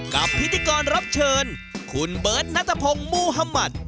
พิธีกรรับเชิญคุณเบิร์ตนัทพงศ์มุธมัติ